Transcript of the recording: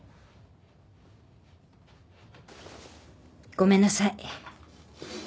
ごめんなさい。